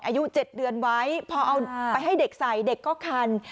อายุ๗เดือนไว้พอเอาไปให้เด็กใส่เด็กก็คัน